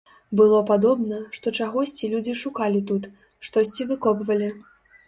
Было падобна, што чагосьці людзі шукалі тут, штосьці выкопвалі.